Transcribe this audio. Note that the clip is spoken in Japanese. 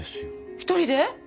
一人で？